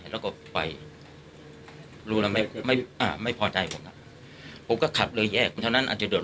แล้วก็ไปรู้หรือไม่ไม่ไม่พอใจผมอ่ะผมก็ขับเลยแยกเค้านั้นอาจจะเดี๋ยว